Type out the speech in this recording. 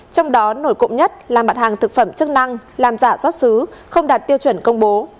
trong đó nổi cộng nhất là mặt hàng thực phẩm chức năng làm giả xuất xứ không đạt tiêu chuẩn công bố